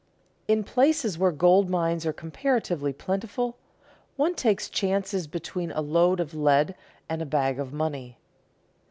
In places where gold mines are comparatively plentiful, one takes chances between a load of lead and a bag of money.